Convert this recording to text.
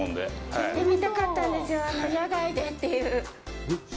やってみたかったんですよ、野外でっていう。